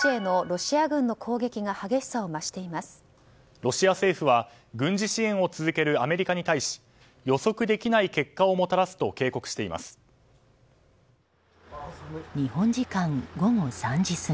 ロシア政府は軍事支援を続けるアメリカに対し予測できない結果をもたらすと警告しています。